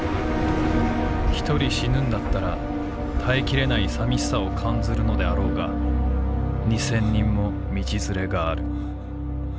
一人死ぬんだったら堪え切れないさみしさを感ずるのであろうが二千人も道連れがある。